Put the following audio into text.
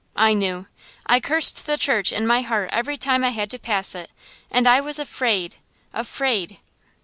I knew. I cursed the church in my heart every time I had to pass it; and I was afraid afraid.